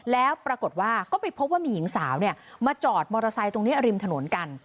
แล้วปรากฏว่าก็ไปพบว่ามีหญิงสาวมาจอดมอเตอร์ไซค์ตรงนี้ริมถนนกัน